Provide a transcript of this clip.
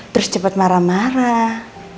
terus cepet marah marah